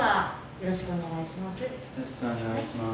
よろしくお願いします。